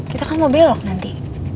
kita kan mau belok nanti